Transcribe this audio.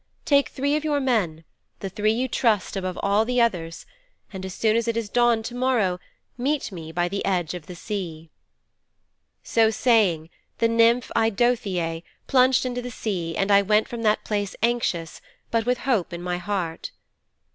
Take three of your men the three you trust above all the others and as soon as it is dawn to morrow meet me by the edge of the sea."' 'So saying the nymph Eidothëe plunged into the sea and I went from that place anxious, but with hope in my heart.